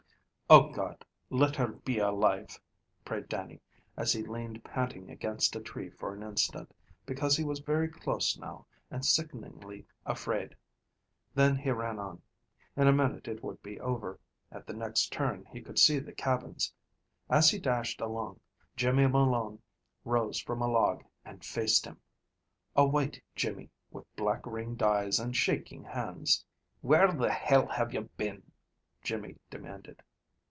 "Oh, God, let her be alive!" prayed Dannie as he leaned panting against a tree for an instant, because he was very close now and sickeningly afraid. Then he ran on. In a minute it would be over. At the next turn he could see the cabins. As he dashed along, Jimmy Malone rose from a log and faced him. A white Jimmy, with black ringed eyes and shaking hands. "Where the Hell have you been?" Jimmy demanded.